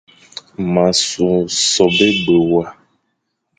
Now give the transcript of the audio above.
M a nsu sobe ebe we,